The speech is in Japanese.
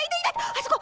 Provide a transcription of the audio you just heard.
あそこ！